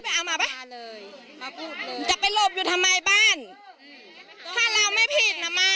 ก็อยู่ด้วยกันมากกกกไม่คิดว่าเขาจะไปปากรูปตีหลังกาแบบนี้นะถ้าอยากอยู่กันต่อไปก็ให้ออกมาวันนี้เลยในนิดนึงนะครับ